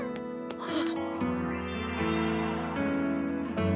あっ。